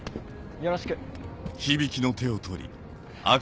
よろしく。